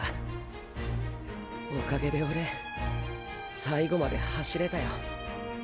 おかげでオレ最後まで走れたよ。